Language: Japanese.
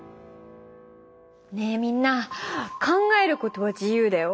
ねえみんな考えることは自由だよ！